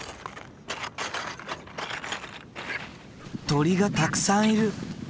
鳥がたくさんいる。